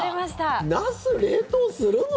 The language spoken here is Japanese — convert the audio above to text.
ナス、冷凍するの？